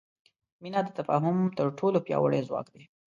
مینه د تفاهم تر ټولو پیاوړی ځواک دی.